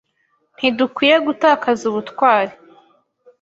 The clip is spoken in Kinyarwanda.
Ntidukwiye gutakaza ubutwari.